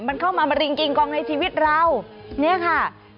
มันเข้ามามาริงกิงกองในชีวิตเราเนี่ยค่ะ